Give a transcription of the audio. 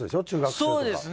そうですね